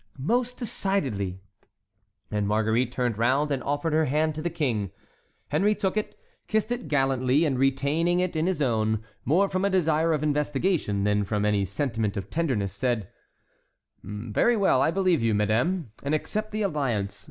"Most decidedly." And Marguerite turned round and offered her hand to the king. Henry took it, kissed it gallantly, and retaining it in his own, more from a desire of investigation than from any sentiment of tenderness, said: "Very well, I believe you, madame, and accept the alliance.